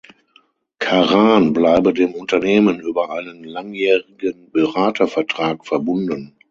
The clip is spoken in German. Karan bleibe dem Unternehmen über einen langjährigen Berater-Vertrag verbunden.